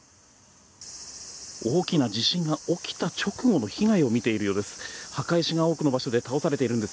大きな地震が起きた直後の被害を見ているようです。